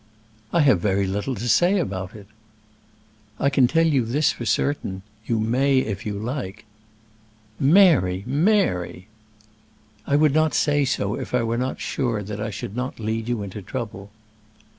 "I have very little to say about it." "I can tell you this for certain, you may if you like." "Mary! Mary!" "I would not say so if I were not sure that I should not lead you into trouble."